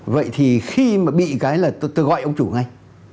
vậy thì khi mà bị cái là tôi gọi ông chủ ngay